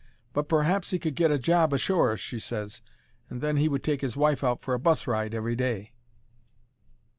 "But p'r'aps he could get a job ashore," she ses, "and then he could take his wife out for a bus ride every day."